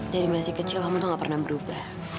dari masih kecil kamu tuh gak pernah berubah